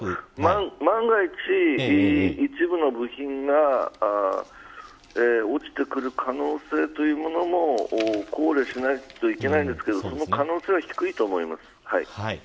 万が一、一部の部品が落ちてくる可能性というものも考慮しなくてはいけないのですがその可能性は低いと思います。